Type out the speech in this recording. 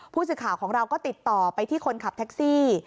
ผู้สื่อข่าวของเราก็ติดต่อไปที่คนขับแท็กซี่